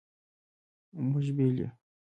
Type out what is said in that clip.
مونږ بیل یو